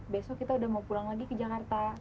besok kita udah mau pulang lagi ke jakarta